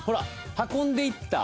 運んでいった。